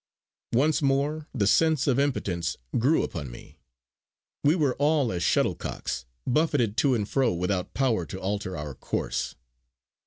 Once more the sense of impotence grew upon me. We were all as shuttlecocks, buffeted to and fro without power to alter our course.